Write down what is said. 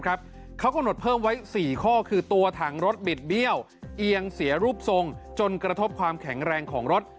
เขากำหนดเพิ่มไว้๔ข้อคือตัวถังรถบิดเบี้ยวเอียงเสียรูปทรงจนกระทบความแข็งแรงของรถ